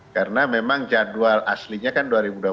karena memang jadwal aslinya kan dua ribu dua puluh satu